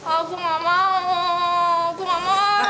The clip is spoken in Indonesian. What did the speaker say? aku gak mau aku gak mau